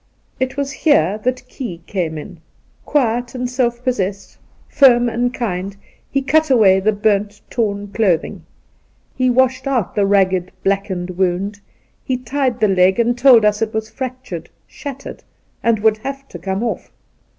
It was here that Key came ia. Quiet and self possessed, firm and kind, he cut away the burnt, torn clothing. He washed out the ragged, black ened wound ; he tried the leg, and told us it was fractured — shattered — and would have to come off".